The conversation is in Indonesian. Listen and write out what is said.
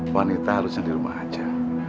wanita harusnya di rumah aja